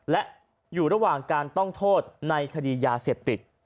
และอยู่ระหว่างการต้องโทษในคดียาเสพติด